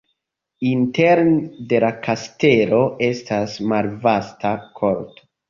Interne de la kastelo estas malvasta korto.